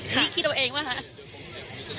คิดเอาเองป่ะคะ